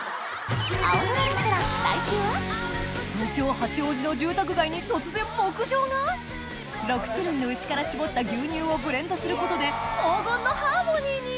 東京・八王子の住宅街に突然牧場が⁉６種類の牛から搾った牛乳をブレンドすることで黄金のハーモニーに！